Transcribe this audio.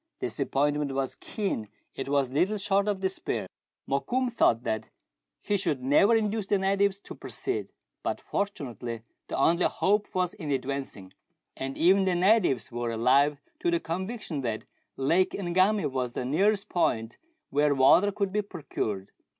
Disappointment was keen, it was little short of despair. Mokoum thought that he should never induce the natives to proceed ; but fortunately the only hope was in advancing, and even the natives were alive to the conviction that Lake Ngami was the nearest point where water could be procured.